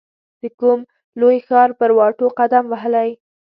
د کوم لوی ښار پر واټو قدم وهلی